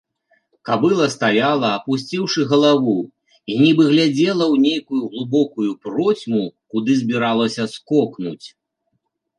Кабыла стаяла, апусціўшы галаву, і нібы глядзела ў нейкую глыбокую процьму, куды збіралася скокнуць.